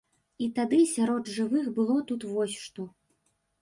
І тады сярод жывых было тут вось што.